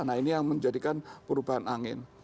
nah ini yang menjadikan perubahan angin